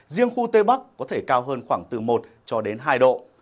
riêng khu tây bắc có thể cao hơn khoảng từ một hai độ